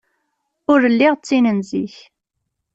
Ur lliɣ d tin n zik.